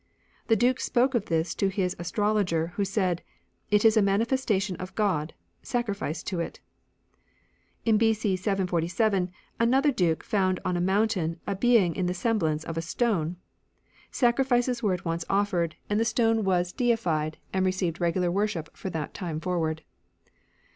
The Duke spoke of this to his astro loger, who said, "It is a manifestation of God ; sacrifice to it." In B.C. 747, another Duke found on a moun tain a being in the semblance of a stone. Sacri fices were at once offered, and the stone was 24 THE ANCIENT FAITH deified, and received regular worship from that time forward.